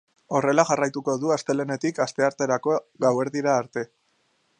Horrela jarraituko du astelehenetik astearterako gauerdira arte.